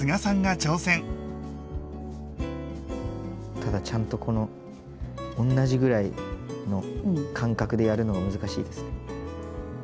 ただちゃんとこの同じぐらいの間隔でやるのが難しいです。